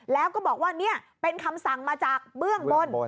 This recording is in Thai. แล้วก็บอกว่านี่เป็นคำสั่งมาจากเบื้องบน